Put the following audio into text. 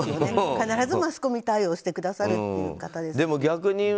必ずマスコミ対応してくださるという。